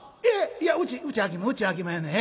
いやうちうちあきまうちあきまへんねん。